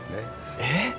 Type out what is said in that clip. えっ？